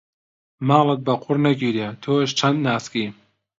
ماڵت بە قوڕ نەگیرێ تۆش چەند ناسکی.